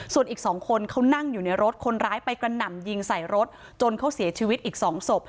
ส่วนอีก๒คนเขานั่งอยู่ในรถคนร้ายไปกระหน่ำยิงใส่รถจนเขาเสียชีวิตอีก๒ศพ